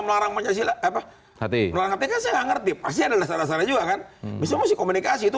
melarang mancasila apa hati hati saya ngerti pasti ada dasar dasar juga kan bisa masih komunikasi itu